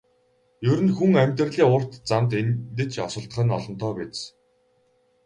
Ер нь хүн амьдралын урт замд эндэж осолдох нь олонтоо биз.